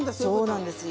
そうなんですよ。